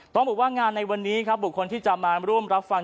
ต้องบอกว่างานในวันนี้ครับบุคคลที่จะมาร่วมรับฟัง